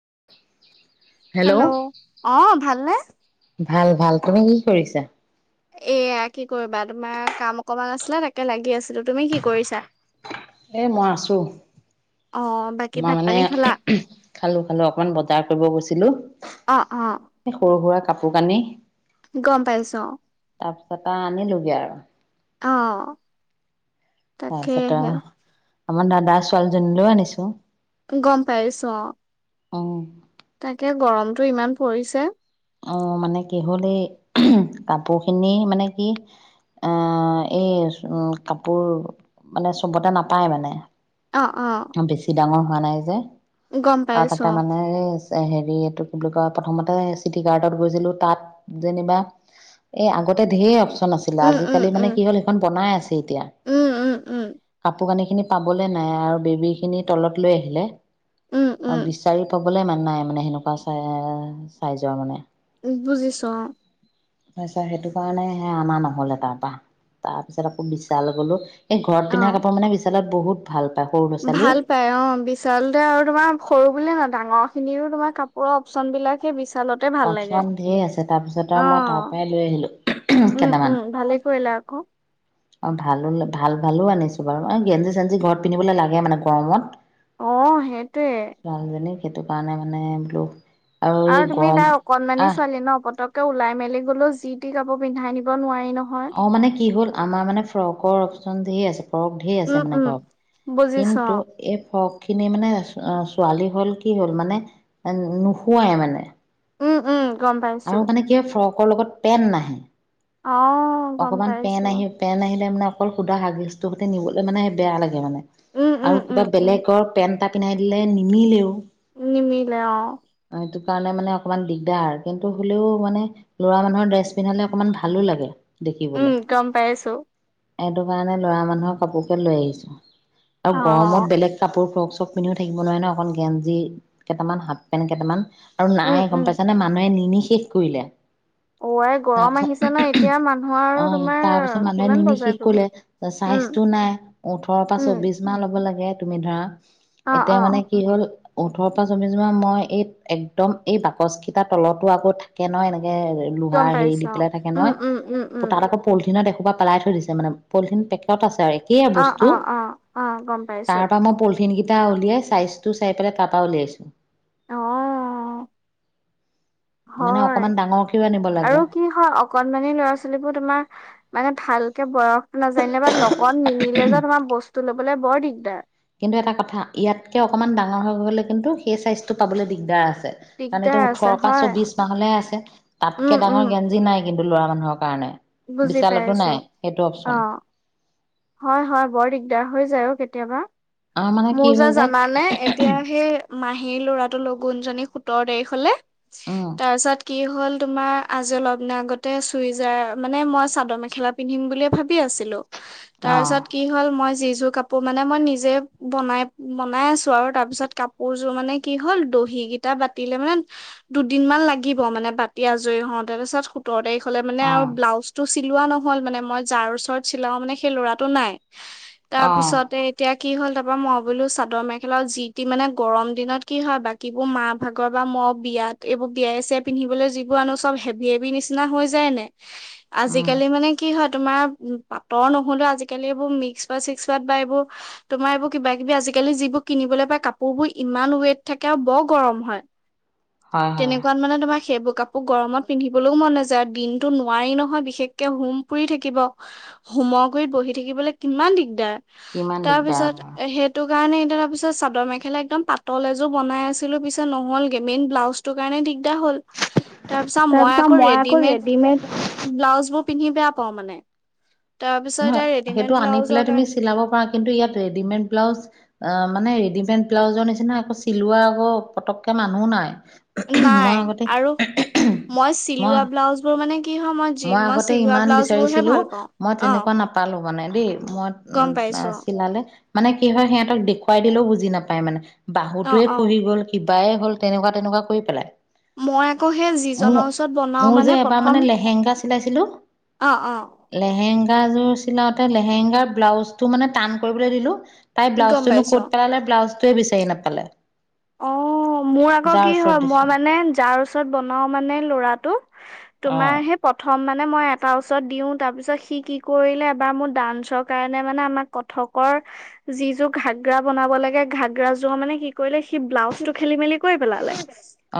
[inaudible] Hello অ ভাল নে? ভাল ভাল। তুমি কি কৰিছা? এয়া কি কৰিবা তোমাৰ কাম অকমান আছিলে তাকে লাগি আছিলো তুমি কি কৰিছা? এ মই আছো অ মই বাকী ভাত মানে পানী খালা খালো খালো অকমান বজাৰ কৰিব গৈছিলো অ অ এ সৰু সুৰা। কাপোৰ কানি, গম পাইছো, অ' তাৰপিছত আৰু আনিলোগে আৰু। অ', তাৰপিছত তাকেহে। আমাৰ দাদা ছোৱালীজনীলৈও আনিছো। গম পাইছো, অ' অ', তাকে গৰমতটো ইমান পৰিছে। অ' মানে কি হ'ল এই কাপোৰ খিনি মানে কি এ এই উ' কাপোৰ মানে চবতে নাপায় মানে। অ' বেছি ডাঙৰ হোৱা নাই যে গম আৰু পাইছো তাতে অ মানে হেৰি এইটো কি বুলি কয়? প্ৰথমতে চিট কাৰ্ডত গৈছিলো তাত যেনিবা এ আগতে, ধেই আছিলে উম উম আজিকালি উম কি হল, বনাই আছে এতিয়া, উম উম কাপোৰ কানি খিনি পাক ঘৰত ক'বলৈ নাই আৰু। বেবি খিনি তলত লৈ আহিলে। উম অ' উম বিচাৰি পাবলৈ ইমান নাই মানে, সেনেকুৱা চাই ৰাইজৰ মানে, বুজিচো। তাৰিছত সেইটো কাৰণে অনা নহল এ তাৰপৰা তাৰ পিছত আকৌ বিশালৈ গলো। এই ঘৰত অ পিন্ধা কাপোৰ মানে, বিশালত বহুত ভাল--ভাল ভাল পাই অ' বিশচালতে আৰু তোমাৰ সৰু বুলিয়ে ন, ডাঙৰ স খিনিয়ো তোমাৰ কাপোৰৰ অপশচন বিলাকে বিচ অপচোন ধেই আছে তাৰপিছত আৰু মই অ তাৰ পৰাই লৈ আহিলো উম, উম, কেইটামান। ভালে কৰিলা আকৌ। অ' ভালো ভাল ভালো আনিছো বাৰু এ গেঞ্জি-চেঞ্জি ঘৰত পিন্ধিবলৈ লাগে মানে গৰমত। অ' সেইটোৱে। ছোৱালীজনীক সেইটো কাৰণে মানে বোলো আৰু এই গৰম কণমানি আহ ছোৱালী ন, পতকে ওলাই মেলে গলেও, যি, টি কাপোৰ পিন্ধাই নিব নোৱাৰে। অ' মানে কি হ'ল আমাৰ মানে ফ্ৰকৰ অপচন ধেই আছে। ফৰক ঢেই আছে উম, মানে উম, ঘৰত বুজিছো কিন্তু অ', এই ফক খিনি মানে ছোৱালী হ'ল কি হ'ল মানে নোশোৱাই মানে। উম-উম, অ মানে কিয় ফ্ৰক। ফৰকৰ লগত পেন নাহে। অ', গম অকমান পেন পাইছো। আহি পেন আহিলে মানে। অকল সুধা হাগিছ টো গতে নিবলৈ মানে বেয়া লাগে মানে। উম, আৰু উম, কিবা উম, উম, বেলেগৰ পেন্ট তাতঁ। পিন্ধাই দিলে নিমিলেওঁ। নিমিলে অঁ সেইটো কাৰণে মানে অকণমান দিগদাৰ কিন্তু হ'লেও মানে ল'ৰা মানুহৰ ড্ৰেছ পিন্ধালে অকণমান ভালো লাগে। উম গম পাইছো। এইটো কাৰণে লৰা মানুহৰ কাপোৰ কে লৈ আহিছো। আৰু অ', গৰমত বেলেগ কাপোৰ ফ্ৰক। চব পিন্ধিও থাকিব নোৱাৰে ন অকন গেঞ্জি কেইটামান হাফ পেন্ট কেইটামান। আৰু উম, নাই উম। গম পাইছানে মানুহে নিন হেষ । শেষ কৰিলে। ওৱ এ গৰম তাৰপিছত আহিছে ন এতিয়া মানুহ। আৰু অ তোমাৰ তাৰ পিছত মানুহে কিমান নিনি বজাৰ শেষ কৰিব। কৰিলে উম, চাইজটো নাই ওঠৰৰ পৰা উম, চৌবিশ মাহ লব লাগে। তুমি ধৰা। অ', এতিয়া অ', মানে কি হ'ল। ওঠৰৰ পৰা চৌবিশ মাহ মই এই একদম এই বাকচকেইটাৰ তলতো আকৌ থাকে নহয় এনে । গম লোহাৰ হেৰি দি পাইছো অ', পেলাই থাকে উম, নহয়। উম, উম, উম। পোতাহাঁতকো প। পলথিনত এসোপা পেলাই থৈ দিছে মানে পলথিন পেকট আছে আ ৰে। অ অ অ অ গম পাইছো। পিনকেইটা উলিয়াই চাইজটো চাই পেলাই তাৰপা উলিয়াইছো। অ অ। মানে হয় অকমান ডাঙৰকেও আনিব আৰু লাগে কি হয় অকনমানি ল'ৰা ছোৱালীবোৰ তোমাৰ মানে ভাল বয়স নাজানিলে বা লগত নিনিলে যে তোমাৰ বস্তুু ত ল'বলৈ বৰ দিগদাৰ। কিন্তুু এটা কথা ইয়াতকে অকনমান ডাঙৰ হৈ গলে কিন্তু সেই চাইজটো পাবলৈ দিগদাৰ আছে। কাৰণ দিগদাৰ এতিয়া আছে ওঠৰ পাঁ হয় ছবিচ মাহলে আছে উম তাতকে উম ডাঙৰ গেঞ্জি নাই কিন্তু ল'ৰা মানুহৰ কাৰণে। বুজি বিশালতো পাইছো নাই সেইটো অ অপচন হয় হয় বৰ দিগদাৰ হৈ যায় অঁ কেতিয়াবা আমাৰ মানে কি মোৰ যে হৈ যায় জানা নে এতিয়া সেই মাহীৰ ল'ৰাটোৰ লগুণজনী সোতৰ তাৰিখলে উম তাৰ পিছত কি হ'ল হ'ল তোমাৰ আজি অলপ দিনৰ আগতে চুইজাৰ মানে মই চাদৰ মেখেলা পিন্ধিম বুলি ভাবি আছিলো। তাৰ পিছত অ'। কি হ'ল মই যি যোৰ কাপোৰ মানে মই নিজে বনাই বনাই আছো আৰু তাৰ পিছত কাপোৰযোৰ মানে কি হ'ল দহি কেইটা বাতিলে মানে দুদিন মান লাগিব মানে বাতি আজৰি হওঁ তাৰপিছত সোতৰ তাৰিখ। হলে মানে আৰু অ', ব্লাউজটো চিলোৱা নহ'ল মানে মই যাৰ ওচৰত চিলাও মানে সেই ল'ৰাটো নাই। তাৰ অ', পিছতে এতিয়া কি হ'ল তাপা মই বোলো চাদৰ মেখেলা যি টি মানে গৰম দিনত কি হয় বাকীবোৰ মাৰ ভাগৰ বা ম বিয়াত এইবোৰ বিয়াই চিয়াই পিন্ধিবলৈ যিবোৰ আনো চব হেভি হেভি নিচিনা হৈ যায় নে নাই। উম, আজিকালি মানে কি হয়। তোমাৰ পাতৰ নহলেও আজি কালি এইবোৰ মিক্স বা চিক্স পোৱাত বা এইবোৰ তোমাৰ এইবোৰ। কিবা কিবি আজি কালি যিবোৰ কিনিবলৈ পায় কাপোৰ বোৰ ইমান ওৱেট থাকে আৰু বৰ গৰম হয়। হয়, হয়, তেনেকুৱাত মানে তোমাৰ সেইবোৰ। কাপোৰ গৰমত পিন্ধিবলৈও মন নাযায় দিনতো নোৱাৰি নহয় বিশেষকে হোম পুৰি থাকিব হোমৰ গুৰিত বহি থাকিবলৈ কিমান দিগদাৰ। কিমান তাৰ পিছত দিগদাৰ এ, সেইটো কাৰণে এতি তাৰ পিছত চাদৰ মেখেলা একদম পাতল এযোৰ বনাই আছিলো পিছে নহ'লগে মেইন ব্লাউজটোৰ কাৰণে। হ'ল তাৰ পিছত মই আক ৰেডিমেট ব্লাউছবোৰ পিন্ধি বেয়া পাওঁ মানে। তাৰপিছত নহয় এতিয়া ৰেডিমেড সেইটো আনি ব্লাউজৰ পেলাই তুমি কাৰণে চিলাব পাৰা কিন্তু ইয়াত ৰেডিমেড। ব্লাউজ অ মানে ৰেডিমেড ব্লাউজৰ নিচিনা আকৌ চিলোৱা আকৌ পতককে মানুহো নাই। মই নাই আগতে আৰু মই চিলোৱা ব্লাউজ বোৰ মানে। কি হয় যি মই আগতে চিলোৱা ইমান ব্লাউজ বোৰহে বিচাৰিছিলো ভাল পাওঁ মই অ তেনেকুৱা নাপালো মানে দেই গম মই পাইছো চিলালে মানে কি হয় সিহঁতক দেখোঁ। খুৱাই দিলো বুজি নাপায় মানে । অ বাহুটোৱে অ খুহি গল কিব। বায়ে হ'ল তেনেকুৱা তেনেকুৱা কৰি পেলাই। মই আকৌ সেই মোৰ যিজনৰ ওচৰত বনাও মোৰ যে মানে এবাৰ প্ৰথম। লেহেংগা চিলাইছিলো অ অ লেহেং লেহেংগা যোৰ চিলাওতে লেহেঙংগাৰ ব্লাউজটো মানে টান কৰিবলৈ দিলো। তাই গম ব্লউজটোনো পাইছো কত পেলাই ব্লাউজ টোৱে বিচাৰি নাপালে। অ মোৰ আকৌ যাৰ কি ওচৰত হয় দিছো মই মানে যাৰ ওচৰত বনাওঁ মানে লৰাটো অ তোমাৰ সেই প্ৰ প্ৰথম মানে মই এটা ওচৰত দিওঁ তাৰ পিছত সি কি কৰিলে এবাৰ মোৰ ডান্সৰ কাৰণে মানে আমাক কথকৰ যি যোৰ ঘাগ্ৰা বনাব লাগে ঘাগ্ৰা যোৰ মানে কি কৰিলে সি ব্লাউজটো খেলি মেলি কৰি পেলালে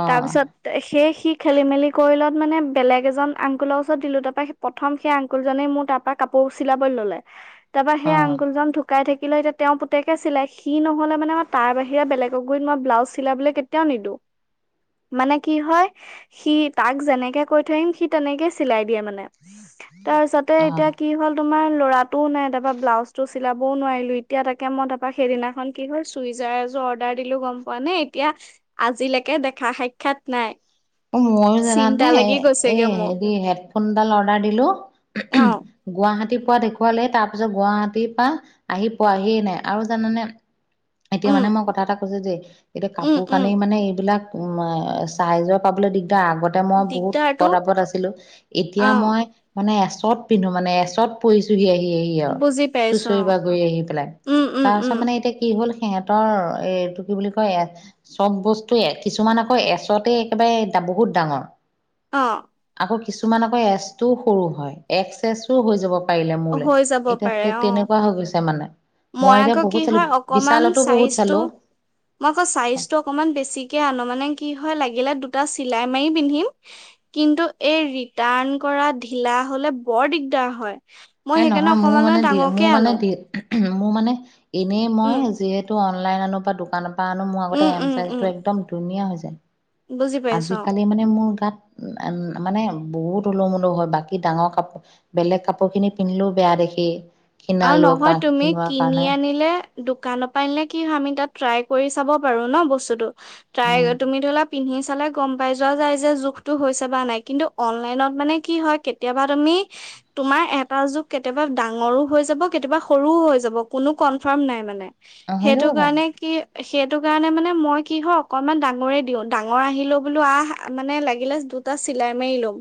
অ তাৰ পিছত সেই খেলি মেলি কৰি লত মানে বেলেগ এজন আংকুলৰ ওচৰত দিলো তাৰ পৰা প্ৰথম সেই আংকুলজনে মোৰ তাৰ পৰা কাপোৰ চিলাবলৈ ললে, তাৰপৰা অ সেই আংকুল জন ধো ঢুকাই থাকিলে এতিয়া পতেকে চিলাই সি নহ'লে মানে, মই তাৰ বাহিৰে বেলেগ ত মই ব্লাউ চিলাবলৈ কেতিয়াও নিদিওঁ ।মানে কি হয় সি তাক যেনেকে কৈ থম সি তেনেকে চিলাই দিয়ে । দিয়ে মানে তাৰ পিছতে এতিয়া অ কি হ'ল, তোমাৰ লৰাটোও নাই তাৰপৰা ব্লাউজটো চিলাবও নোৱাৰিলো, এতিয়া তাকে মই তাৰপৰা সেইদিনাখন কি হ'ল চুইজাৰ এজোৰ অৰ্ডাৰ দিলো গম পোৱা নে? এতিয়া আজিলৈকে দেখা সাক্ষাৎ নাই । অ ময়ো জানানে, এই মোৰ হেৰি হেডফোনডাল অৰ্ডাৰ দিলো অ গুৱাহাটী পোৱা দেখুৱালেই, তাৰ পিছত গুৱাহাটীৰ পৰা আহি পোৱাহিয়ে নাই আৰু জানানে? এতিয়া উম মানে মই কথা এটা ক খোজোঁ দে কিন্তু উম কাপোৰ উম কানি মানে এইবিলাক চাইজত পাবলে দিগ দা, আগতে মই বহুত দিগদাৰটো শকত আপত আছিলো অ এতিয়া মই মানে চৰ্ত পিন্ধো মানে, এছত পৰিছোহি । আহি আৰু বুজি পাইছো চুচৰি অ বাগৰি আহি পেলাই, উম উম তাৰ পাছত উম মানে এতিয়া কি হ'ল? সিহঁতৰ এইটো কি বুলি কয় এ চব বস্তু কিছুমান আকৌ এচতেই একেবাৰে বহুত ডাঙৰ। অ' । আকৌ কিছুমান আকৌ এছ টোও সৰু হয় এক্স এছোও হৈ যাব পাৰিলে মোলে হৈ যাব এতিয়া পাৰে অ । তেনেকুৱা হৈ গৈছে মানে মই এতিয়া আকৌ বহুত কি চালো হয় অকণমান বিশালতো বহুত চাইজটো চালো মই আকৌ চাইজটো অকণমান বেছিকে আনো মানে কি হয় লাগিলে, দুটা চিলাই মাৰি পিন্ধিম কিন্তু এই ৰিটাৰ্ণ কৰা ঢিলা হলে বৰ দিগদাৰ হয়। মই এ সেইকাৰণে নহয় মোৰ অকমান মানে দিয়ে ডাঙৰকে মোৰ মানে আনো দিয়ে উ মোৰ মানে। এনেই মই উম যিহেতু। অনলাইনো বা দোকান। বা। পৰা আনো মোৰ আগতে উম এম উম উম চাইজটো একদম ধুনীয়া হৈছে। বুজি [inaudible] পাইছো অ আজিকালি মানে মোৰ গাত মানে। বহুত ওলহ মুলহ হয় বাকী ডাঙৰ কাপোৰ বেলেগ কাপোৰ খিনি পিন্ধিলেও বেয়া দেখি। আ ক্ষীণালো কা নহয় তুমি ক্ষীণোৱাৰ কিনি কাৰণে আনিলে। দোকানৰ পৰাই নিলে কি হয় আমি তাত ট্ৰাই কৰি চাব পাৰো ন বস্তুটো। ট্ৰাই উম তুমি ধৰি লা। পিন্ধি চালে গম পাই যোৱা যায় যে জোখটো হৈছে বা নাই কিন্তু অনলাইনত মানে কি হয় কেতিয়াবা তুমি তোমাৰ এটা জোখ কেতিয়াবা ডাঙৰো । হৈ যাব কেতিয়াবা সৰুও হৈ যাব কোনো কনফাৰ্ম নাই মানে। হৈ সেইটো যাব পাৰে। কাৰণে কি। সেইটো কাৰণে মানে মই কি হয় অকনমান ডাঙৰে দিও ডাঙৰ আহিলো বোলো আহ মানে লাগিলে দুটা চিলাই মাৰি লম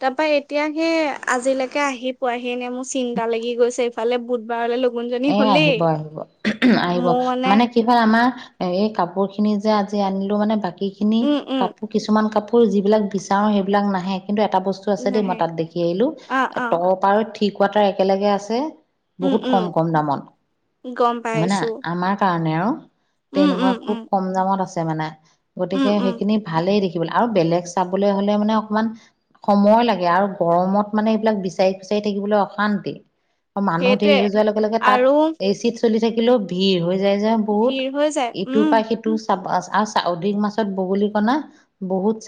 তাৰ পৰা এতিয়া সেই আজিলৈকে আহি পোৱাহিনে মোক। চিন্তা লাগি গৈছে। এইফালে বুধবাৰলৈ। এ আহিব আহিব আহিব উম উম মানে কি হল আমাৰ। এ এই কাপোৰখিনি যে আজি আনিলো মানে বাকী। এইখিনি উম উম কাপোৰ কিছুমান কাপোৰ। আকৌ যিবিলাক বিচাৰোঁ সেইবিলাক নাহে। কিন্তু এটা বস্তু আছে দেই মই নাহে তাত দেখি আহিলো অ অ তৰপাৰ। টি কোৱাটাৰ একেলগে আছে। উম বহুত উম কম। কম দামত গম মানে পাইছো আমাৰ কাৰণে। নে অৰ। উম তেনেকুৱা উম খুব উম কম দামত আছে। মানে। উম গতিকে উম সেইখিনি ভালেই দি। খিবলে আৰু বেলেগ চাবলৈ হলে মানে অকমান সময় লাগে আৰু গৰমত মানে এইবিলাক বিচাৰি খুচাৰি থাকিবলৈ অশান্তি। অ মানুহ দেই সেইটোৱে এই যোৱা লক। তাত আৰু এই চিচ। চলি থাকিলেও ভিৰ হয়। যাই যাই বহুত ভিৰ হৈ যায় ইটোৰ উম পৰা সিটো। আৰু অধিক মাছত বগলী কনা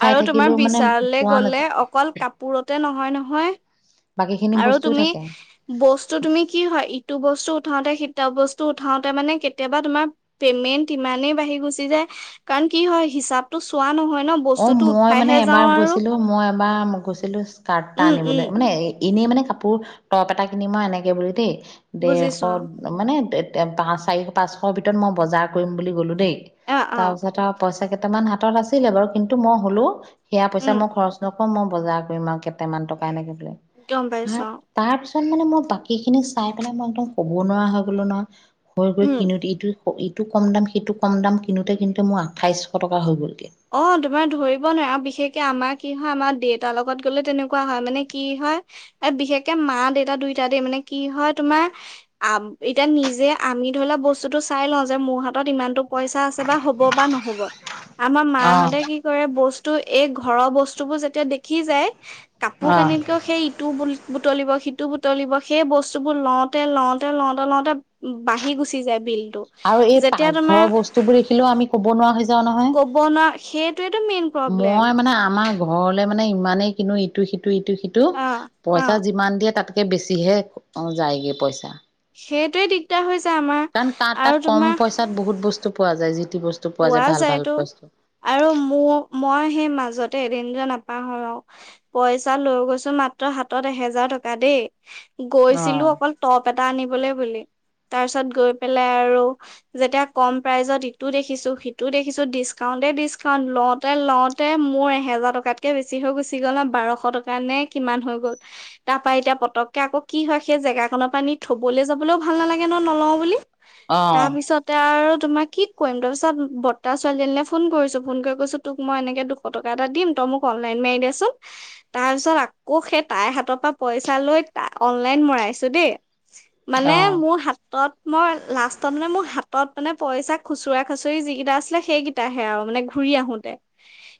আৰু তোমাৰ বিশাললে গলে নাযায় অকল কাপোৰতে নহয়। হয় নহয় বাকী খিনি আৰু বস্তুও তুমি থাকে বস্তু তুমি কি হয় ইটো বস্তু উঠাওতে সি এ বস্তু উঠাওতে মানে কেতিয়াবা তোমাৰ পেমেন্ট ইমানেই বাঢ়ি গুচি যায় কাৰণ কি হয় হিচাপতটো চোৱা নহয়। ন অ বস্তুটো মই মানে উঠাইহে এবাৰ যাওঁ আৰু গৈছিলো মই এবাৰ গৈছিলো স্কাৰ্টটা উম উম আনিবলৈ মানে এনেই মানে কাপোৰ টপ এটা কিনিম মই এনেকৈ বুলি দেই। দেৰশ বুজিছো মানে পাঁচ চাৰি পাঁচশ ভিতৰত মই বজাৰ কৰিম বুলি গ'লো দেই। অ অ তাৰ পিছত আও পইচা কে কেইটামান হাতত আছিলে বাৰু কিন্তু মই হ'লো সেয়া পইচা উম মই খৰচ নকৰো আকৌ মই বজাৰ কৰিম আ কেইটামান টকা এনেকে গম পাইছো অ তাৰ পিছত মানে মই বাকী খিনি চাই পেলাই মই একদম ক'ব নোৱাৰা হৈ গ'লো নহয়। বৈ গৈ উম কিনোত এইটো ইটো কম দাম সিটো কম দাম কিনোতে কিনোতে কিন্তু মোৰ আঠাইছশ টকা হৈ গ'ল। অ তো তোমাৰ ধৰিব নোৱাৰাৰে আৰু বিশেষকে আমাৰ কি হয় আমাৰ দেউতাৰ লগত গলে তেনেকুৱা হয় মানে কি হয় এই বিশেষকে মা দেউতা দুইত মানে কি হয় তোমাৰ এতিয়া নিজে আমি ধৰি লা বস্তুটো চাই লওঁ যে মোৰ হাতত ইমানতটো পইচা আছে বা হব বা নহব। আমাৰ মা অ হঁতে কি কৰে বস্তু ত এই ঘৰৰ বস্তু বোৰ যেতিয়া দেখি যায় কাপোৰ আৰু কানিতকৈও সেই ইটো বুলি বুটলিব সিটো বুটলিব সেই বস্তুবোৰ লওঁতে লওঁতে লওঁতে লওঁতে বাঢ়ি গুচি যায় বিল আৰু এই পাকঘৰৰ বস্তু বোৰ দেখিলেও আমি ক'ব নোৱাৰা হৈ যাও ক'ব ন সেইটোৱেইতো মেইন প্ৰব্লেম মই মানে আমাৰ ঘৰলে মানে ইমানেই কিনু ইটো সি টো ইটো সিটো অ', পইচা অ', যিমান দিয়ে তাত কে বেছিহে যায়গে পইচা সেইটোৱে দিগদাৰ হৈছে কাৰণ তাত তাত কম পইচাত বহুত বস্তু পোৱা যায় যি টি বস্তু যায় পোৱা ভাল ভাল যায়তো বস্তু। আৰু মো মই সেই মাজতে এদিন পইচা লৈ গৈছো মাত্ৰ হাতত এহেজাৰ টকা দেই অ', গৈছিলো অকল টপ [unintelligible] আনিবলে বুলি তাৰ পিছত গৈ পেলাই আৰু যেতিয়া কম প্ৰাইজত ইতো দেখি দেখিছো, সিটো দেখিছো ডিচকাউন্টে ডিচকাউন্ট লওঁতে লওঁতে মোৰ এহেজাৰ টকাতকে বেছি হৈ গুচি গ'ল ন বাৰশ টকা নে কিমান হৈ গ'ল, তাৰ পা এতিয়া পতককে আকো কি হয় সেই জেগাকনৰ পৰা নি থবলে যাবলেও ভাল নালাগে ন নলও বুলি। অ', তাৰপিছতে আৰু [unintelligible] [unintelligible] বৰ্তাটা ছোৱালীজনীলে ফোন কৰিছো, ফোন কৰি কৈছো তোক মই এনেকে দুশ টকা এটা দিম তই মোক অনলাইন মাৰি দেচোন। তাৰ পিছত আকৌ সেই তাইৰ হাতৰ পৰা পইচা লৈ টা - অনলাইন মৰাইছো দেই মানে অ'। মোৰ হাত তত মই লাষ্টত মানে মোৰ হাতত মানে পইচা খুচুৰা খাচৰি যিগিটা আছিলে সেইগিটাহে আৰু মানে ঘূৰি আহোতে,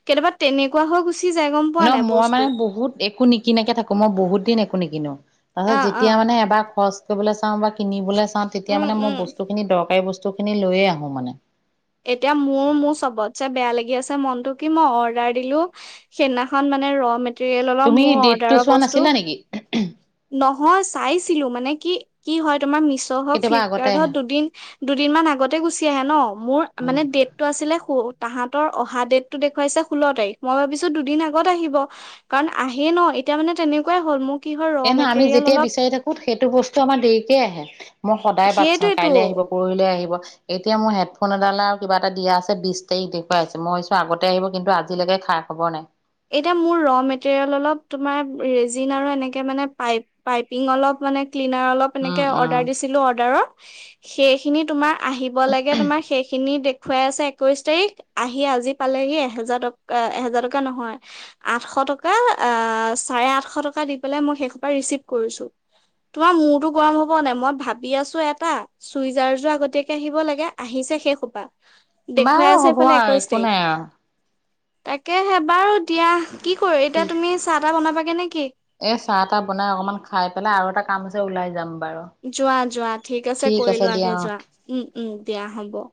কেতিয়াবা তেনেকুৱা হৈ গুচি যায় গম পোৱা ন নাই মই বস্তু মানে বহুত একো নিকিনাকে থাকো মই বহুত দিন একো নিকিনো। তাৰপিছত অ অ যেতিয়া মানে এবাৰ খৰচ কৰিবলৈ চাওঁ বা কিনিবলে চাওঁ তেতিয়া উম মানে মই উম বস্তু খিনি দৰকাৰী বস্তু বস্তু খিনি লৈয়ে আহো মানে । এতিয়া মোৰ - মোৰ চবতছে বেয়া লাগি আছে ছে মনতো কি মই অৰ্দাৰ দিলো, সেইদিনাখন মানে ৰ' মেত তেৰিয়েলৰ তুমি মোৰ ডেটটো অৰ্ডাৰৰ চোৱা বস্তু, নাছিলা নেকি? নহয় চাইছিলো মানে কি, কি হয়? তোমাৰ মিছ' হক কেতিয়াবা আগতে ফ্লিপকাৰ্ত আহে। হত দুদিন - দুদিনমান আগতে গুচি আহে ন, মোৰ উম, মানে ডেটটো আছিলে [unintelligible] তাহাঁতৰ অহা ডেট টো দেখুৱাইছে ষোল্ল তাৰিখ, মই ভাবিছো দুদিন আগত আহিব, কাৰণ আহে ন এতিয়া মানে তেনেকুৱাই হ'ল, মোক এ নহ আমি যেতিয়াই বিচাৰি থাকো সেইটো বস্তু আমাৰ দেৰিকে আহে। মই সদায় বাত চাওঁ কাইলৈ সেইটোৱেতো আহিব, পৰহিলৈ আহিব। এতিয়া মোৰ হেডফোন এডালে আৰু কিবা এটা দিয়া আছে বিছ তাৰিখ দেখুৱাই আছে, মই ভাবিছোঁ আগতে আহিব কিন্তু আজিলৈকে খাই খবৰ নাই। এতিয়া মোৰ ৰ' মেটেৰিয়েল অলপ তোমাৰ ৰেজিন আৰু এনেকে মানে পাইপ - পাইপিং অলপ মানে ক্লিনাৰ অলপ উম, এনেকে উম, অৰ্ডাৰ দিছিলোঁ অৰ্ডাৰৰ সেইখিনি তোমাৰ আহিব লাগে তোমাৰ সেইখিনি দে খুৱাই আছে একৈছ তাৰিখ, আহি আজি পালেহি এহেজাৰ টক এহেজাৰ টকা নহয় আঠশ টকা আ চাৰে আঠশ টকা দি পেলাই মই সেই সোপা ৰিচিভ কৰিছো। তোমাৰ মূৰতো গৰম হব নাই, মই ভাবি আছো এটা, চুইজাৰযোৰ আগতীয়াকে আহিব লাগে আহিছে সেই সোপা। দেখুৱাই বাৰু আছে হ'ব এইফালে আৰু একৈশ তাৰিখ একো নাই আৰু। তাকেহে বাৰু [unintelligible] কি কৰো এতিয়া তুমি চাহ তাহ বনাবা [unintelligible] এ চাহ তাহ বনাই অকমান খাই পেলাই আৰু এটা কাম আছে ওলাই যাম। বাৰু। যোৱা যোৱা ঠিক আছে কৰিলোৱাগে যোৱা উম উম দিয়া হ'ব।